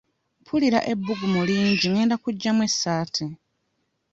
Mpulira ebbugumu lingi ngenda kuggyamu essaati.